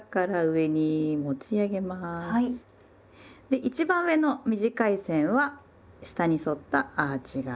で一番上の短い線は下に反ったアーチ型。